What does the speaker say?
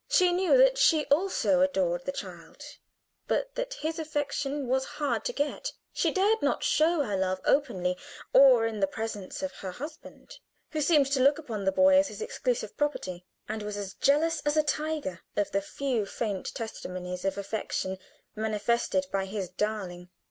She knew that she also adored the child, but that his affection was hard to get. She dared not show her love openly, or in the presence of her husband, who seemed to look upon the boy as his exclusive property, and was as jealous as a tiger of the few faint testimonies of affection manifested by his darling.